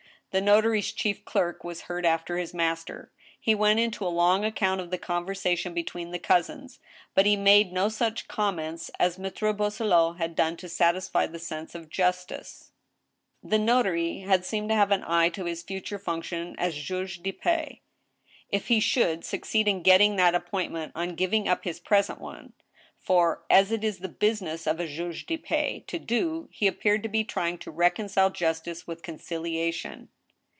The notary's chief clerk was heard after his master. He went into a long account of the conversation between the cousins ; but he made no such comments as Maitre Boisselot had done to satisfy the sense of justice. THE TRIAL, I95 The notary had seemed to have an eye to his future functions as juge depatx, if he should succeed in getting that appointnient on giving up his present one ; for, as it is the business of 2ijugedepaix to do, he appeared to be trying to reconcile justice with conciliation.